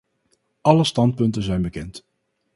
Alle standpunten zijn bekend.